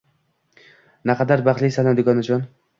Naqadar baxtlisan-a, dugonajon